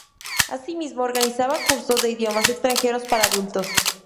Asimismo, organizaba cursos de idiomas extranjeros para adultos.